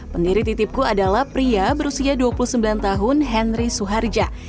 pendiri titipku adalah pria berusia dua puluh sembilan tahun henry suharja